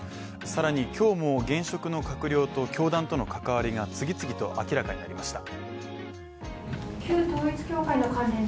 さらに今日も現職の閣僚と教団との関わりが次々と明らかになりました。